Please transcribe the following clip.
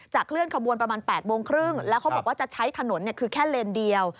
เคลื่อนขบวนประมาณ๘โมงครึ่งแล้วเขาบอกว่าจะใช้ถนนคือแค่เลนเดียว